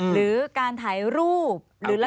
หรือการถ่ายรูป